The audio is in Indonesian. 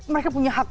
mereka punya hak